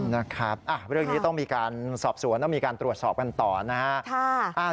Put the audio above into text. นะครับเรื่องนี้ต้องมีการสอบสวนต้องมีการตรวจสอบกันต่อนะครับ